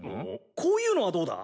こういうのはどうだ？